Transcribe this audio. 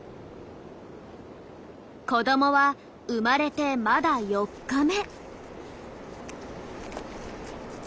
子どもは生まれてまだ４日目。